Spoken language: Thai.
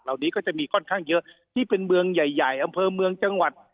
นี้ก็จะมีค่อนข้างเยอะที่เป็นเมืองใหญ่ใหญ่อำเภอเมืองจังหวัด